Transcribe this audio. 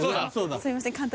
すいません監督